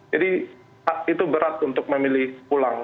jadi itu berat untuk memilih pulang